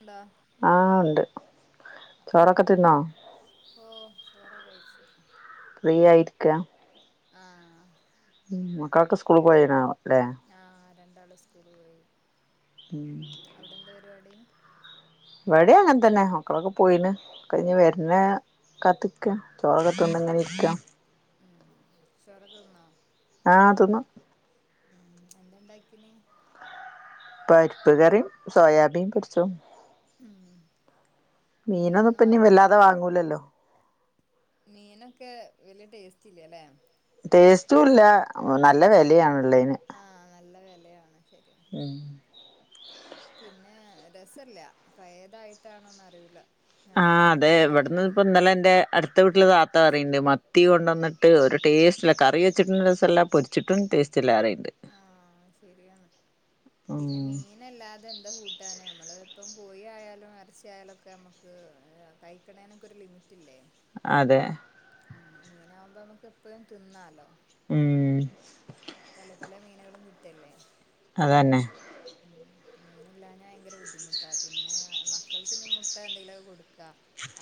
എന്താ ആഹ് ഉണ്ട് ചോറൊക്കെ തിന്നോ ഓഹ് ചോറൊക്കെ കയിച്ചു ഫ്രീ ആയിരിക്ക ആഹ് ഉം മക്കളൊക്കെ സ്കൂളി പോയിനൊല്ലെ ആഹ് രണ്ടാളും സ്കൂള് പോയി ഉം അവിടെന്താ പരിപാടി ഇവിടെം അങ്ങൻതന്നെ മക്കളൊക്കെ പോയിന് കഴിഞ്ഞ് വരുന്ന ഉം കാത്തിക്ക ചോറൊക്കെത്തിന്ന് ഇങ്ങനെ ഇരിക്ക ഉം ചോറൊക്കെ തിന്നോ ആഹ് തിന്നു ഉം എന്താണ്ടാക്കിനി പരിപ്പ് കറീം സോയാബീൻ പൊരിച്ചോം ഉം മീനൊന്നും ഇപ്പ ഇഞ്ഞ് വല്ലാതെ വാങ്ങീട്ടില്ലേ വാങ്ങൂലല്ലോ മീനൊക്കെ വല്യ ടേസ്റ്റ് ഇല്യാലെ ടേസ്റ്റും ഇല്ല നല്ല വെലയാണുള്ളെന് ആഹ് നല്ല വെലയാണ് ശരിയാ ഉം പിന്നെ രസല്ല പയേതായിട്ടാണോന്നറിയൂല ആഹ് അതെ ഇവിടുന്ന് ഇപ്പ ഇന്നലെ എന്റെ അടുത്ത വീട്ടില് താ ത്ത അറിയുണ്ട് മത്തി കൊണ്ടന്നിട്ട് ഒരു ടേസ്റ്റില്ല കറി വെച്ചിട്ടും രസല്ല പൊരിച്ചിട്ടും ടേസ്റ്റ് ഇല്ലാ അറിയുണ്ട് ആഹ് ശരിയാണ് പിന്നെ ഉം മീൻ നല്ലാതെ എന്താ കൂട്ടാന് അമ്മള് ഇപ്പം കോഴി ആയാലും ഇറച്ചിയായാലൊക്കെ നമ്മക്ക് കയിക്കണേനൊക്കൊ ഒരു ലിമിറ്റില്ലേ അതെ ഉം മീനാവുമ്പോ നമുക്ക് എപ്പയും തിന്നാലോ ഉം പല പല മീനുകളും കിട്ടല്ലേ അതന്നെ ആഹ് മീനില്ലാഞ്ഞാ അയങ്കര ബുദ്ധിമുട്ടാ പിന്നെ മക്കൾക്ക് ഇനി മുട്ട എന്തെങ്കിലൊക്കെ കൊടുക്കാ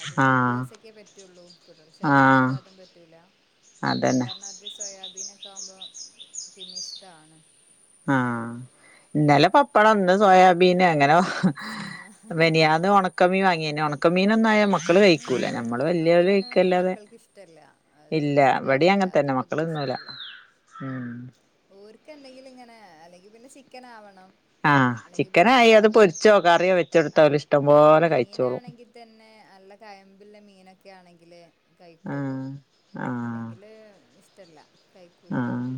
അതും ഒരു ആഹ് ദിവസൊക്കേ പറ്റുള്ളൂ തുടർച്ചയായിട്ട് ആഹ് കൊടുത്ത അതും പറ്റൂല പിന്നെ ഈ അതന്നെ പറഞ്ഞ സോയാബീനൊക്കെ ആവുമ്പോ പിന്നെ ഇഷ്ടാണ് ആഹ് ഇന്നലെ പപ്പടം ഇന്ന് സോയാബീന് അങ്ങനെ ആഹ് മെനിയാന്ന് ഒണക്കമീൻ വാങ്ങിയേനിം ഒണക്കമീനൊന്നായ മക്കള് കയിക്കൂല ഉം ഞമ്മള് നമുക്ക് വല്യോല് പിന്നെ കഴിക്കല്ലാതെ മക്കൾക്ക് ഇഷ്ടല്ല ഇല്ല ഇവടെ അങ്ങൻതന്നെ മ തുവെ ഇഷ്ടല്ല ഉം ഓർക്ക് എന്തെങ്കിലും ഇങ്ങനെ അല്ലെങ്കി പിന്നെ ചിക്കൻ ആവണം ആഹ് അല്ലെങ്കി ബീഫ് ചിക്കനായി അത് ആവണം പൊരിച്ചോ കറിയോ വെച്ചൊടുത്താ ഓല് ആഹ് ഇഷ്ടം ഇഞ്ഞി പോലെ കഴിച്ചോളും മീനാണെങ്കി തന്നെ അൽ നല്ല കയമ്പില്ല മീനൊക്കെ ആണെങ്കിലെ കയിക്കൊള്ളൂ ആഹ് ആഹ് അല്ലെങ്കിൽ ല് ഇഷ്ടല്ല കയിക്കൂല ആഹ്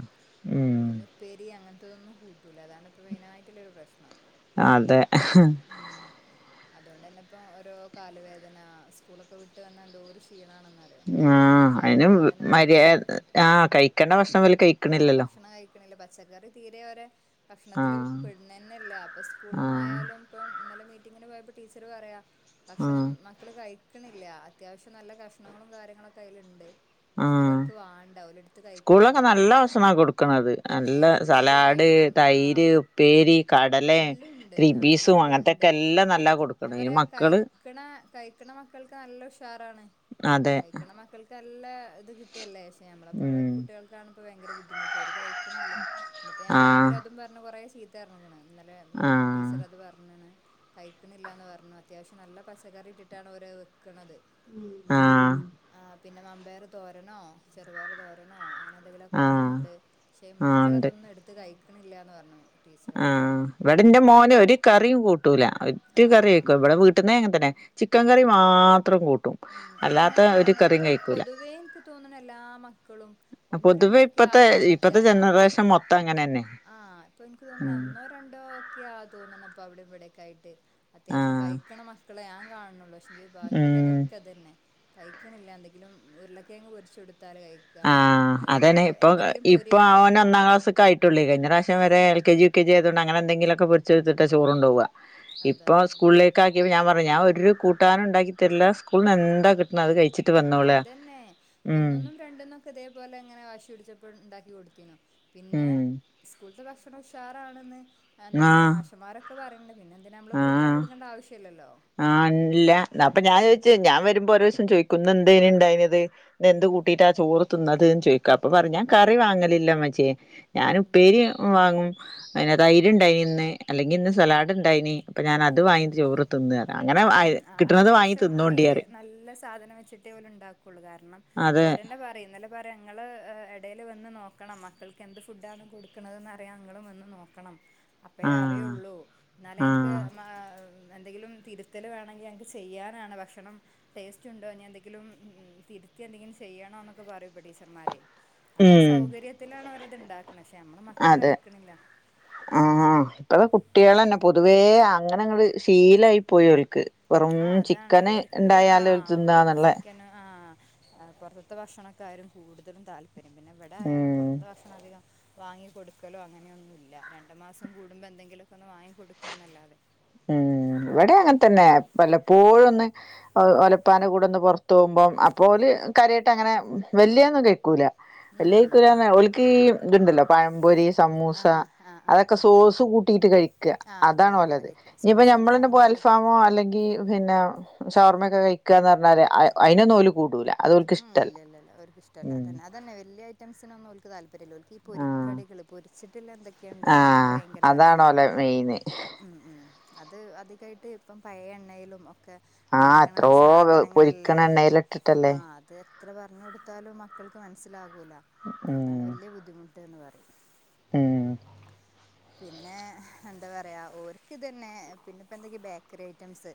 ഉം പിന്നെ ഉപ്പേരി അങ്ങനത്തതൊന്നും കൂട്ടൂല അതാണ് ഇപ്പ മെയിനായിട്ടുള്ളൊരു പ്രശ്നം അതെ ഉം അതോണ്ടന്നെ ഇപ്പോ ഓരോ കാലുവേ ദനാ സ്കൂളൊക്ക വിട്ട് വന്നാ എന്തോരുക്ഷീണാണെന്ന ആഹ് [inaudible] അയിന് മര്യാ കാലുവേദനായിട്ടും ആഹ് കഴിക്കേണ്ട ഭക്ഷണം ഇവല് ആഹ് കഴിക്കണില്ലല്ലോ ഭക്ഷണം കയി പച്ചക്കറി തീരെ അവരെ ഭക്ഷണത്തില് ആഹ് പെടുന്നന്നെല്ല അപ്പ ആഹ് സ്കൂൾന്നായാലും ഇപ്പം ഇന്നലെ മീറ്റിങ്ങിന് പോയപ്പൊ ടീച്ചറ് പറയ ഭക്ഷണം ആഹ് മക്കള് കഴിക്ക്ണില്ല അത്യാവശ്യം നല്ല കഷ്ണങ്ങളും കാര്യങ്ങളൊക്ക അയില്ണ്ട് പക്ഷെങ്കില് ആഹ് ഓൽക്ക് വാണ്ട ഓലെടുത്ത് സ്കൂൾലൊക്ക കഴിക്കണില്ല നല്ല ഭക്ഷണ കൊടുക്ക്ണത് പിന്നെ നല്ല ഉപ്പേരി സലാഡ് ആയിട്ടും തൈര് ആഹ് ഉപ്പേരി കടലെ എല്ലും ഉണ്ട് ക്രിൻബീസും അങ്ങൻത്തെക്കെ എല്ലാ നല്ല കൊട് ഞാ പറയാ കഴിക്ക്ണാ കഴിക്ക്ണ മക്കൾക്ക് നല്ല ഉഷാറാണ് അതെ കഴ്ക്ക് മക്കൾക്ക് നല്ല ഇത് കിട്ടല്ലെ പഷെ ഞമ്മളപ്പോ ഉം കുട്ടീൾക്കാണിപ്പ ഭയങ്കര ബുദ്ധിമുട്ട് ഓര് കഴിക്ക്ണില്ല ഇന്ന്പ്പൊ ഞാൻ ആഹ് രാവിലെ അതും പറഞ്ഞ് കൊറേ ചീത്തപറഞ്ഞ്ക്ണ് ഇന്നലെ മീ ആഹ് ടീച്ചർ അത് പറഞ്ഞ്ണ് കൈ ക്ക്ണില്ലാന്ന് പർഞ്ഞു അത്യാവശ്യം നല്ല പച്ചക്കറി ഇട്ടിട്ടാണ് അവര് വെക്ക്ണത് ആഹ് ആഹ് പിന്ന മമ്പയറ് തോരനോ ചെറുപയറ് തോരനോ അങ്ങനെ എന്തെങ്കിലൊക്ക ആഹ് അതൂണ്ട് പഷെ ആഹ് ഉണ്ട് മക്കളതൊന്നും എടുത്ത് കഴിക്ക്ണില്ലാന്ന പർഞെ ആഹ് ഇവിടെന്റെ മോന് ഒരു കറിം കൂട്ടൂല. ഒറ്റ ആ കറി കൈകു ഇവടെ വീട്ട്ന്നേ അങ്ങൻ തന്നെ ചിക്കൻ ഉം കറി മാത്രം കൂട്ടും ഉം അല്ലാത്ത അങ്ങനെ ഒരു ആവുമ്പൊ കറിയും ഇപ്പൊ കഴിക്കൂല പൊതുവേ ഇൻക്ക് തോന്ന്ണെ എല്ലാ മക്കളും ഒന്നോ പൊതുവെ രണ്ടോ ഒക്കെ ഇപ്പത്തെ ആയൊരു മറ്റേ ഇപ്പത്തെ ആഹ് ജനറേഷൻ മൊത്തം അങ്ങനെന്നെ ആഹ് ഇപ്പൊ ഇൻക്ക് തോന്ന്ണെ ഒന്നോ രണ്ടോ ഒക്കെയാ തോന്ന്ണപ്പൊ അവിടെ ഇവിടെക്കായിട്ട് അത്യാവശ്യം ആഹ് കഴിക്ക്ണ മക്കളെ ഞാൻ കാൺണൊള്ളു പക്ഷെങ്കി ഉം ബാക്കിള്ളതൊക്കെ ഇതെന്നെ കഴിക്ക്ണില്ല എന്തെങ്കിലും ഉരുളക്കെഴങ്ങ് പൊരിച്ചൊട്ത്താലെ കഴ് ആഹ് അതെന്നെ ഇപ്പൊ ഇപ്പൊ ആഹ് ഓന് ഒന്നാം ക്ലാസ്ക്കായി കഴിഞ്ഞ പ്രാവശ്യം വരെ ഉം L K G U K G ആയതോണ്ട് അങ്ങനെ എന്തെങ്കിലൊക്ക പൊരിച്ചൊട്ത്ത്ട്ട ചോറൊണ്ടോവ അതാ ഇപ്പ ആഹ് സ്കൂൾലെ കാക്കിപ്പ ഞാൻ പർഞ്ഞു ഞാൻ ഒരു കൂട്ടാനും ഇണ്ടാക്കി തര്ല സ്കൂൽന്ന് എന്താ കിട്ടുന്നത് അത് കഴിചി ആഹ് ഇതെന്നെ ഒന്നിന്നും രണ്ടിന്നും ഒക്കെ ഇതേപോലെ ഇങ്ങനെ വാശി പിടിച്ചപ്പൊ ഇണ്ടാക്കി കൊട്ത്തീനു പിന്നെ ഉം സ്കൂൾത്തെ ഭക്ഷണം ഉഷാറാണെന്ന് എന്ത പറയ ആഹ് മാഷന്മാരൊക്ക ഒക്കെ പറയ്ൺണ്ട് പിന്നെ എന്തിന ഞമ്മള് കൂട്ടാൻ ആഹ് കൊട്ക്കണ്ട ആവശ്യല്ലല്ലൊ ആഹ് ഇല്ല അപ്പൊ ഞാൻ ചോദിച് ഞാൻ വരുമ്പോ ഓരോ ദിവസം ചോദിക്കും ന്ന് എന്തേനി ഉണ്ടായിനത് ഇന്ന് എന്ത് ഉം കൂട്ടീയിട്ട ചോറ് തിന്നത് ചോയിക്കും അപ്പൊ ഉം പറയിം ഞാൻ ഉം ഉം കറി വാങ്ങലില്ലമ്മചെ ഞാന് ഉം ഉപ്പേരി വാങ്ങും അതിനകത്ത് തൈര്ണ്ടായ്ന് ഇന്ന് അല്ലെങ്കി ഇന്ന് ഉം സലാഡ് ഇണ്ടായ്ന് അപ്പൊ ഞാന് അത് ഉം വാങ്ങീട്ട് ഉം ചോർ തിന്ന അങ്ങനെ ഉം അത്യാവശ്യം തിന്നോണ്ടി ഓല് പറയും നല്ല സാധനം വെച്ചിട്ടെ ഓല് ഇണ്ടാക്കൊള്ളു കാര്ണം അതെ ഓരന്നെ പ റിം ഇന്നലെ പറ്യ ഇങ്ങള് എടേല് വന്ന് നോക്കണം മക്കൾക്ക് എന്ത് ഫുഡ്ഡ് ആണ് കൊടുക്കണതെന്ന് അറിയാ ഇങ്ങളും വന്ന് നോക്കണം ക്കണം അപ്പയെ ആഹ് അറിയൊള്ളു ഇന്നാലെ ഞങ്ങക്ക് ആഹ് മാ എന്തെങ്കിലും തിര് ത്തല് വേണങ്കി ഞങ്ങക്ക് ചെയ്യാനാണ് ഭക്ഷണം ടേസ്റ്റ് ഉണ്ടൊ ഇഞി എന്തെങ്കിലും ഉം തിരുത്തി എന്തെങ്കിലും ചെയ്യണോ ന്നൊക്കെ പറയുപ്പ ടീച്ചർമാര് അത്രയു ഉം സൗകര്യത്തിലാണ് അവരത് ഇണ്ടാക്ക്ണെ പക്ഷെ ഞമ്മള മക്കള് കഴിക്ക്ണില്ല ആഹാ ഇപ്പൊ കുട്ടീളെന്നെ പൊതുവേ അങ്ങനങ്ങ്ട് ശീലായി പോയി ഓൽക്ക് വെറും ആഹ് അതാണ് ചിക്കന് ഓർക്ക് ഇവറാ ഇണ്ടായാല് ഓല് ഔ തിന്നാന്ന്ള്ളെ ചിക്കനാ ആഹ് പൊറ്ത്ത്ത്തെ ഭക്ഷണൊക്കാരും കൂടുതലും താല്പര്യം പിന്നെ ഇവടായാലും ഉം പൊറ്ത് ഭക്ഷണം അധികം വാങ്ങിക്കൊടുക്കലും അങ്ങനൊന്നുല്ല രണ്ട് മാസം കൂടുമ്പൊ എന്തെങ്കിലൊക്ക ഒന്ന് വാങ്ങി കൊടുക്കാന്നല്ലാതെ ഉം ഇവടെ അങ്ങൻ തന്നെ വല്ലപ്പോഴും ഒന്ന് ഒലപ്പാൻ്റെ കൂടെന്ന് പൊർത്ത് പൊർത്ത് പോവുമ്പം അപ്പോ ഓല് കാര്യായിട്ട് അങ്ങനെ വല്യേന്നും കയിക്കൂല വല്യെ ഉം കഴ്ക്കൂല അർഞ ഓല്ക്ക് ഇത്ണ്ടല്ലൊ പഴം പൊരി സമൂസ ആ ആ ആ ആ അതൊക്കെ ആ സോസ് ക കുട്ടീട്ട് കഴിക്ക്യാ ആ അതാണ് കഴിക്കുക ഓലത് കഴിക്കുക ഇനിയിപ്പോ സോസ് തന്നെ ഞമളന്നെ പോ ഭയങ്കര അൽഫാമോ അല്ലെങ്കിൽ പിന്നെ ഷവർമ്മക്കെ കഴിക്ക്യാന്ന് പറഞ്ഞാല് അതിനൊന്ന് ഓല് കൂടൂല അത് ഓൽക്ക് ഇഷ്ടല്ല ഇല്ല ഇല്ല ഓർക്ക് ഇഷ്ടല്ല ഉം അതന്നെ അതന്ന വല്ല്യ ഐറ്റംസിനൊന്നു ഓല്ക് തല്പര്യം പൊരെലോൽക്കീ ആഹ് പൊരിക്കടികള് പൊരിച്ചിട്ടുള്ള എന്തൊക്കെയുണ്ടോ അതൊക്കെ ആഹ് ഭയങ്കര അതാണോ ഓലെ താല്പര്യാണ് മെയിന് ഉം ഉം അത് അധികായിട്ട് ഇപ്പം പഴയ എണ്ണയിലും ഒ ക്കെ ആഹ് ഉണ്ടാക്കണ എത്രോ സാധനങ്ങളല്ലേ പൊരിക്കണ ആ എണ്ണയിലിട്ടിട്ടല്ലേ അത് എത്ര പറഞ്ഞു കൊടുത്താലും മക്കൾക്ക് മനസ്സിലാകൂല അതാണ് ഉം വലിയ ബുദ്ധിമു ട്ടെന്ന് പറയും ഉം പിന്നെ എന്താ പറയുക ഓർക്ക് ഇതു തന്നെ പിന്നെ എന്തെങ്കിലും ബേക്കറി ഐറ്റംസ്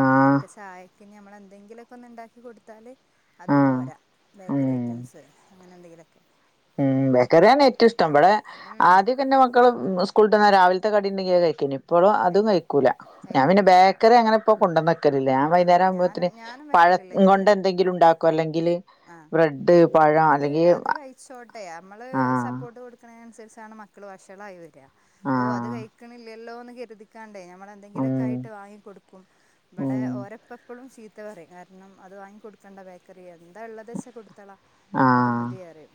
ആഹ് ചായക്ക് ഞമ്മള് എന്തെങ്കിലുക്കെ ഒന്ന് ഉണ്ടാക്കി കൊടുത്താല് അത് ആഹ് പോരാ ബേക്കറി ഉം ഐറ്റംസ് അങ്ങനെ എന്തെങ്കിലുക്കെ ഉം ബേക്കറിന്നേണ് ഏറ്റവും ഇഷ്ടം ഇവിടെ ഉം ആദ്യക്കെ ഇൻ്റെ മ്മക്ക മക്കള് സ്കൂള് വിട്ട് വന്നാ രാവിലത്തെ കടി ഉണ്ടെങ്കിൽ കഴിക്കുന്നു. ഇപ്പോഴും കഴി അതും കഴിക്കൂലാ ഞാൻ പിന്നെ കഴിക്കൂല ബേക്കറി അങ്ങനെ ഇപ്പൊ കൊണ്ടന്ന് വക്കലില്ല ഞാൻ ഉം വൈന്നാരം ഞാനും ആകൂമ്പോഴത്തിന് ഞാനും പഴം കൊണ്ട് എന്തെങ്കിലും ഉണ്ടാക്കും അല്ലെങ്കില് ആഹ് ബ്രെഡ് പഴ അല്ലെങ്കിൽ ച്ചോട്ടെ നമ്മള് സപ്പോർട്ട് കൊടുക്കണ നുസരിച്ചാണ് മക്കൾ വഷളായി വരിക. ഓ അത് ആഹ് കഴിക്കണില്ലല്ലോ എന്ന് കരുതിക്കാണ്ട് നമ്മള് എന്തെങ്കിലുക്കെ ഉം ആയിട്ട് വാങ്ങി കൊടുക്കും ഇവിടെ ഉം ഓരപ്പപ്പോഴും ചീത്ത പറയും കാരണം അത് വാങ്ങി കൊടുക്കേണ്ട ബേക്കറി എന്താ ഉള്ളത് ച്ചാകൊടുത്തളാ അത് ആഹ് മതിയറിം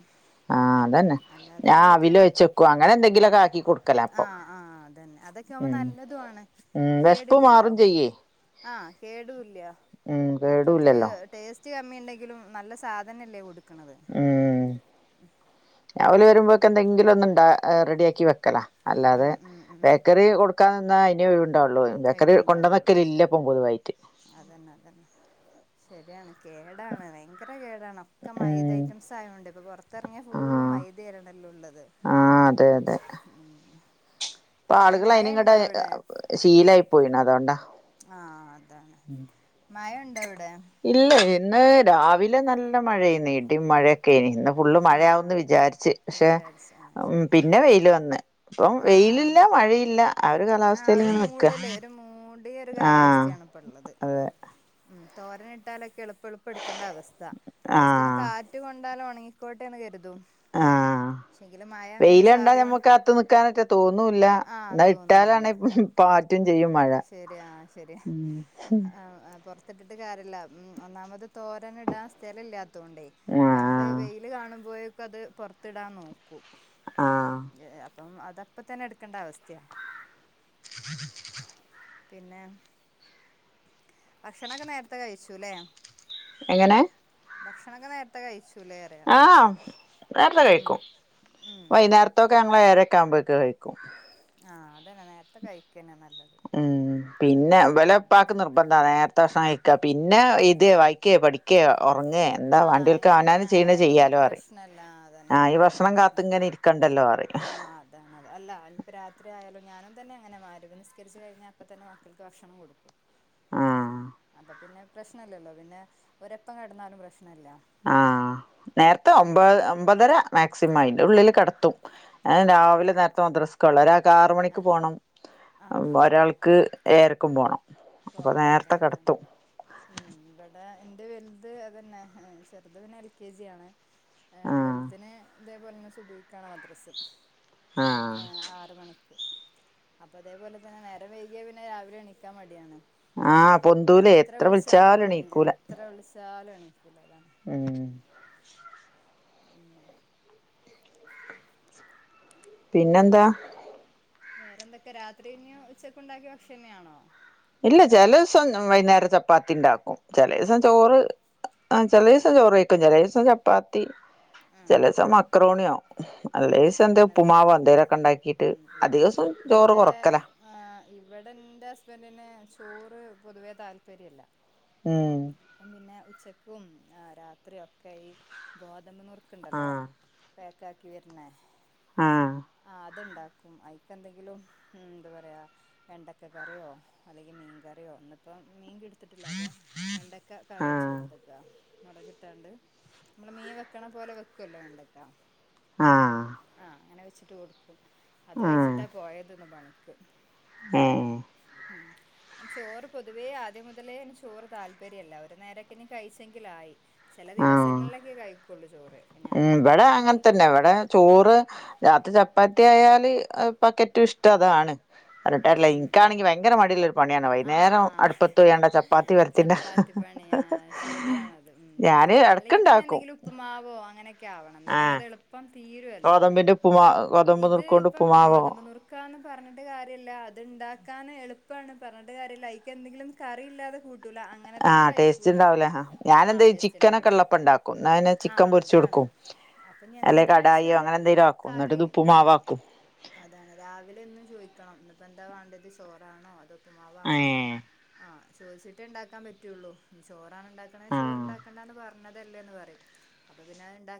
ആഹ് അതന്നെ അല്ലാതെ ഞാൻ എല്ലത്തിനും അവില് അ വെച്ചെക്കും അങ്ങനെ എന്തെങ്കിലൊക്കെ ആക്കി കൊടുക്കല ആ അപ്പം ആ അതന്നെ അതൊ ക്കെയാമ്പം ഉം നല്ലതുമാണ് ഉം വെശപ്പ് കേടില്ലല്ലോ മാറും ചെയ്യേ ആ കേടുമില്ല ഉം മക്കൾക്ക് കേടൂല്ലല്ലോ ടേസ്റ്റ് സ്റ്റ്കമ്മി ഉണ്ടെങ്കിലും നല്ല സാധനല്ലേ കൊടുക്കണത് ഉം അവര് വരുമ്പോഴക്കെ എന്തെങ്കിലും ഒന്നും ഇണ്ടാ റെഡിയാക്കി വെക്കലാ അല്ലാതെ ഉം ഉം ഉം ബേക്കറി കൊ ടുക്കന്നാൽ അതിനെ ഒഴിവു ണ്ടാവുള്ളൂ അയവ് ഉണ്ടാവുള്ളൂ ഇല്ല പൊതുവായിട്ട് അതന്നെ അതന്നെ ശരിയാണ് കേടാണ് ഭയങ്കര കേടാണ് ഒക്കെ മൈദ ഉം ഐറ്റംസ് ആയൊണ്ട് ഇപ്പൊ പുറത്തിറങ്ങിയ ഫുള്ള് ആഹ് മൈദ ആരണല്ലോ ഉള്ളത് ആഹ് അതെ അതെ ഉം ഇപ്പ പിന്നെ ആളുകൾ അയിനിങ്ങട് മയണ്ടോ അവിടെ ശീലായി പോയിണ് അതോണ്ടാ ആ അതാണ് മയണ്ടോ ഇവിടെ ഇല്ല ഇന്ന് രാവിലെ നല്ല മഴയനീ ഇടിം മഴയൊക്കെ ഇന്നു ഫുള്ള് ആഹ് മഴയാവുന്ന് ആഹ് വിചാരിച്ച് പക്ഷേ വിചാരിച്ച ആഹ് ഉം ശരി പിന്നെ വെയില് വന്ന് ഇപ്പം വെയിലില്ല മഴയില്ല ഒരു ആ കാലാവസ്ഥയിൽ ഒരു ഇങ്ങനെ നിക്കാ മൂടല് ഒരു മൂടിയ ഒരു ആഹ് കാലാവസ്ഥയാണ് ഇപ്പൊ ഉള്ളത് അതെ ഉം തോരൻ ഇട്ടാലൊക്കെ എളുപ്പ് എളുപ്പ് എടുക്കേണ്ട അവസ്ഥ ജസ്റ്റ് ഒന്ന് ആഹ് കാറ്റ് കൊണ്ടാലോണങ്ങിക്കോട്ടെ എന്ന് കരുതും ആഹ് പക്ഷെങ്കിലും മഴ അങ്ങനെ വെയില് കണ്ടാ ചാറിയോണ്ട് ഞമ്മക്ക് അകത്ത് നിക്കാനറ്റെ തോന്നൂല്ല ആ എന്നാ തോന്നൂ ല്ല. ഇട്ടാലാണെ പാറ്റും അ ചെയ്യും മഴ ശരിയാ ശരിയാ ഉം അ അ പുറ ത്തിട്ടിട്ട് കാര്യയില്ല ഒന്നാമത് തോരൻ ഇടാൻ സ്ഥലമില്ല ത്തോണ്ടേ അപ്പൊ നമ്മള് ആഹ് വെയില് കാണുമ്പോഴേക്കും അത് പുറത്തിടാൻ നോ ക്കും ആഹ് എ അപ്പം അതപ്പം തന്നെ എടുക്കണ്ട അവസ്ഥയാ [inaudible] പിന്നെ ഭക്ഷണൊക്കെ നേരത്തെ കഴിച്ചൂല്ലെ എങ്ങനെ ഭക്ഷണൊക്കെ നേരത്തെ കഴിച്ചൂലേ പറയാ ആഹ്‌ നേരത്തെ കഴിക്കും, ഉം വൈന്നേരത്തൊക്കെ ഞങ്ങള് ഏഴരൊക്കെ ആകുമ്പോഴ്‌ക്ക് കഴിക്കും ആഹ്‌ അതന്നെ നേരത്തെ കഴിക്കന്നെ നല്ലത്. ഹ്മ്മ് പിന്നെ ഇവലപ്പാക്ക് നിർബന്ധ നേരത്തെ ഭക്ഷണം കയ് ക്കാ, പിന്നെ എഴ്‌തേ വായിക്കെ പഠിക്കേ ഒർങ്ങേ എന്താ ആഹ് വാണ്ടിയോൽക്ക് അവനാന് എങ്ങനെ ചെയ്യ്ണെ ആയാലും ചെയ്യാലോ അറിം പ്രശ്നല്ല അതന്നെ ആ ഈ എങ്ങനെ ആയാലും ഭക്ഷണം കാത്ത് പ്രശ്നല്ല ഇങ്ങനെ കണ്ടല്ലോറിം. ആഹ് താണത്. അല്ല ഇന്പ്പ രാത്രി ആയാലും ഞാനും തന്നെ അങ്ങനെ മഗ് രിബ് നിസ്കരിച്ച് കഴിഞ്ഞാ അപ്പ തന്നെ മക്കൾക്ക് ഭക്ഷണം കൊടുക്കും. ആ അപ്പ പിന്നെ പ്രശ്നല്ലല്ലോ പിന്നെ ഓരെപ്പം കട്ന്നാലും പ്രശ്നല്ല ആഹ് നേരത്തെ മറ്റേ ഒമ്പത് ഭക്ഷ ഒമ്പതര മാക്സിമം ആയിന്റെ ഉള്ളില് കെടത്തും എഹ്‌ ആഹ് രാവിലെ കെടത്തും നേരത്തെ മദ്രസസ്ക്ക്ള്ള ഒരാൾക്ക് ആറ് മണിക്ക് പോണം ആഹ് ഒരാൾ ക്ക് ഏഴരക്കും പോണം അപ്പം നേരത്തെ കട്ത്തും. ഹ്മ്മ്, ഇബടെ ഇന്റെ വെൽത് അതന്നെ ഏഹ്‌ ചെറ്ത് പിന്നെ എൽ. കെ. ജി ആണ്. എഹ്‌ ആ വെൽതിന് ഇതേപോലെന്നെ സുബൈക്കാണ് മദ്രസ്. ആ ഏഹ്‌ ആറ് മണിക്ക്. അപ്പ ഇതേപോലെ തന്നെ നേരം വൈകിയാ പിന്നെ രാവിലെ എണിക്കാൻ മടിയാണ്. ആ പൊന്തൂലേ എത്ര വിളിച്ചാലും ഹ്മ്മ് എണീക്കൂല എത്ര വിളിച്ചാലും എണീക്കൂല അതാണ്. ഹ്മ്മ് പിന്നെ പിന്നെന്താ വേറെന്തൊക്കെ രാത്രി ഇഞ്ഞും ഉച്ചക്കുണ്ടാക്കിയ ഭക്ഷണന്നെയാണോ ഇല്ല ചെലെസം വൈകുന്നേരം ചപ്പാത്തിണ്ടാക്കും. ചെലെസം അത് ചോറ് ശരി ആഹ് ചെലെസം ചോറയ്ക്കും ചെലെസം ചപ്പാത്തി ആഹ് ചെലെസം മക്രോണിയോ ഉം അല്ലേസം എന്തെ അങ്ങനെ ഉപ്പുമാവോ എന്തെങ്കിലൊക്കെല്ലേ എന്തേലൊക്കെ ഇണ്ടാക്കിട്ട് ഉം ഉം അധികസം ചോറ് ഇവിടെ കൊറക്കലാ ആഹ് ഇവടെൻ്റെ ഹസ്ബൻഡ്ന് ചോറ് പൊതുവേ താല്പര്യല്ല ഹ്മ്മ് അപ്പം പിന്നെ ഉച്ചക്കും ആഹ്‌ രാത്രി ഒക്കെ ഈ ഗോതമ്പ് നുറ്ക്ക്ണ്ടല്ലോ ആഹ് പേക്കാക്കി വെര്ണെ ആഹ് ആഹ്‌ അത്ണ്ടാ ക്കും അയ്ക്കന്തെങ്കിലും ഹ്മ്മ് എന്താ പറയാ വെണ്ടക്കക്കറിയോ അല്ലെങ്കി മീൻകറിയോ ഇന്ന്പ്പം മീൻ കിട്ത്തിട്ടില്ല അതോ വെണ്ട ക്ക ആഹ് കറിയെച്ചോട്ത്തക്കാ മൊളകിട്ടാണ്ട് നമ്മളെ മീൻ വെക്ക്ണ പോലെ വെക്കല്ലോ വെണ്ടെക്ക ആഹ് ആഹ് അങ്ങനെ വെച്ചിട്ട് കൊടുക്കും. അത് കഴ്‌ച്ചിട്ടാ പോയത്ന്ന് പണിക്ക് ഏഹ്‌ ഹ്മ്മ് ചോറ് പൊതുവേ ആദ്യം മുതലേ ചോറ് താല് പര്യല്ല ഒര് നേരൊക്കെഞ്ഞി കഴിച്ചെങ്കിലായി. ചെല ആഹ് ദിവസങ്ങളിലൊക്കെ കഴിക്കൊള്ളൂ ചോറ് ഞാ ഉം ഇവിടെ ഇന്ക്കും അങ്ങനെ തന്നെ കു--ഹ്മ്മ് ഹ്മ്മ് ത്തെ ആയാല് അത് ഇപ്പാക്കേറ്റും ഇഷ്ടതാണ്. ഉം അത്ട്ടാരില്ല ഉം ഉം ഇൻക്കാണങ്കി ഭയങ്കര മടില്ലൊരു പണിയാണ് വൈകുന്നരം അട്പ്പതോയാണ്ട് ആഹ് ചപ്പാത്തി പര് ചപ്പാത്തി പണി ആഹ്‌ ശെരിയാണത് ഹ്മ്മ്. ഞാന് അല്ലെങ്കിൽ പിന്നെ എടക്കുണ്ടാക്കും എന്തെങ്കിലും ഉപ്പ്മാവോ അങ്ങനെയൊക്കെയാവണം എന്നാ പിന്നെ ആഹ് അത് എളുപ്പം തീരുവല്ലോ ഗോതമ്പിന്റെ ഉപ്പ് മാ ഗോതമ്പ് നുറ്ക്കോണ്ട് ഉപ്പ്മാവോ ക്കാ പറഞ്ഞിട്ട് കാര്യല്ലാ അത്ണ്ടാക്കാന് എളുപ്പാണ് പറഞ്ഞിട്ട് കാര്യല്ല അയ്ക്ക് എന്തെങ്കിലും കറിയില്ലാതെ കൂ ട്ടൂല അങ്ങനെ തന്നെ ആഹ് ടേസ്റ്റ് കഴിക്കൂല. ഉണ്ടാവൂലേ ഞാനെന്താ ആഹ്‌ ചിക്കനൊക്കെ ടേസ്റ്റ്ണ്ടാവുലാ ഉള്ളപ്പോ ഉണ്ടാക്കും എന്നാ പിന്നെ ചിക്കൻ ആഹ്‌ പൊരിച്ചു അതാണ് കൊടുക്കും അപ്പഞ്ഞ് അല്ലെ കടായിയോ എന്താച്ചാല് അങ്ങനെ എന്തെലും ആക്കും എന്നിട്ട് കറി ഇത് ഹ്മ്മ് ഉപ്പുമാവാക്കും ഉപ്പുമാവോ, അതാണ് രാവിലെ എന്നും ചോയ്ക്കണം ഇന്ന് ഇപ്പോ എന്താ വാണ്ടത് ചോറാണോ അതോ ഉപ്പ്മാവാണോ ഏഹ് ആഹ്‌ ചോദിച്ചിട്ടിണ്ടാക്കാൻ പറ്റൊള്ളൂ ഇനി ചോറാണ് ഇണ്ടാക്കണേ ചോറ് ആഹ് ഇണ്ടാക്കണ്ടാന്ന് പറഞ്ഞതല്ലേ പറയും അപ്പം പിന്നെ അയ്ണ്ടാ